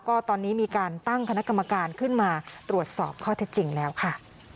ก็ตอนนี้มีการตั้งคณะกรรมการขึ้นมาตรวจสอบข้อเท็จจริงแล้วค่ะ